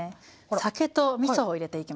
酒とみそを入れていきます。